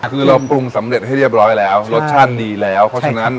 คือเราปรุงสำเร็จให้เรียบร้อยแล้วรสชาติดีแล้วเพราะฉะนั้น